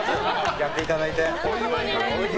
やっていただいて。